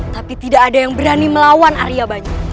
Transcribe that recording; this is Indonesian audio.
tapi tidak ada yang berani melawan arya banyak